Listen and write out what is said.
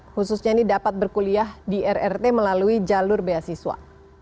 khususnya ini dapat berkuliah di rrt melalui jalur beasiswa